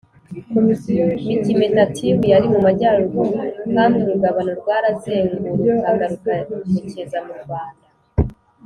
Mikimetatiw yari mu majyaruguru kandi urugabano rwarazengurukaga rukerekeza murwanda